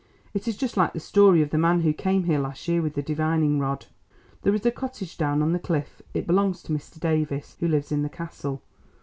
It is just like the story of the man who came here last year with the divining rod. There is a cottage down on the cliff—it belongs to Mr. Davies, who lives in the Castle.